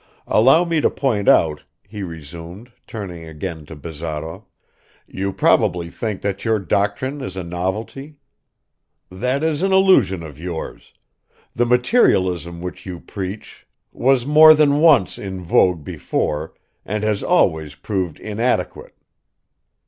Allow me to point out," he resumed, turning again to Bazarov, "you probably think that your doctrine is a novelty? That is an illusion of yours. The materialism which you preach, was more than once in vogue before and has always proved inadequate